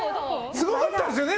すごかったですよね